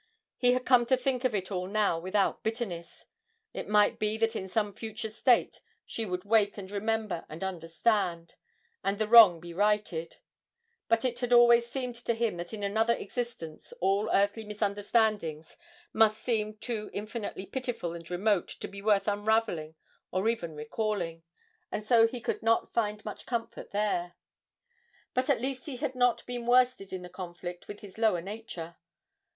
He had come to think of it all now without bitterness; it might be that in some future state she would 'wake, and remember, and understand,' and the wrong be righted but it had always seemed to him that in another existence all earthly misunderstandings must seem too infinitely pitiful and remote to be worth unravelling, or even recalling, and so he could not find much comfort there. But at least he had not been worsted in the conflict with his lower nature.